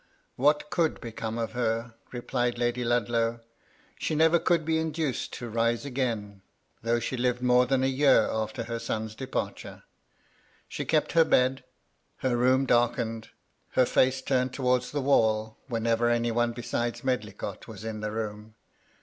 "What could become of her?" replied Lady Lud low. "She never could be induced to rise again, though she lived more than a year after her son's departure. She kept her bed; her room darkened, her face turned towards the wall, whenever any one besides Medlicott was in the room.